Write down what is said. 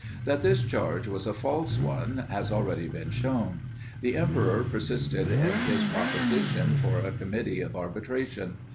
That this charge was a false one, has already been shown. The Emperor persisted in his proposition for a committee of arbitration.